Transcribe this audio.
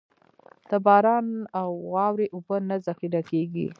د باران او واورې اوبه نه ذخېره کېږي.